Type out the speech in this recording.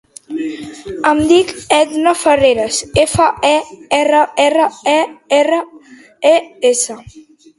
Em dic Edna Ferreres: efa, e, erra, erra, e, erra, e, essa.